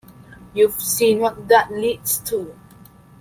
You've seen what that leads to.